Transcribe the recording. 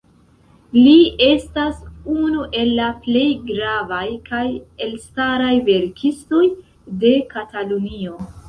Li estas unu el la plej gravaj kaj elstaraj verkistoj de Katalunio.